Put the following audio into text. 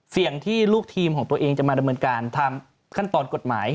เสี่ยงที่ลูกทีมของตัวเองจะมาดำเนินการตามขั้นตอนกฎหมาย